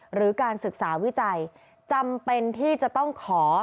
หรือการศึกษาวิจัยจำเป็นที่จะต้องขอ